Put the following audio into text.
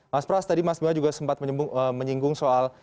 mas pras tadi mas bima juga sempat menyinggung soal